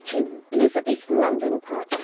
ELIZABETHAN LONDON. PART III.